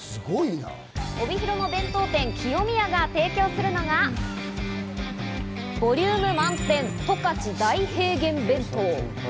帯広の弁当店・清味屋が提供するのがボリューム満点、十勝大平原弁当。